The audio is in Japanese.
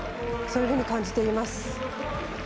そういうふうに感じています。